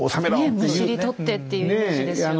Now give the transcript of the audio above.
むしり取ってっていうイメージですよね。